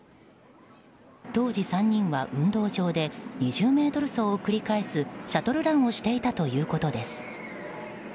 当時、３人は運動場で２０ｍ走を繰り返すシャトルランをしていたということです。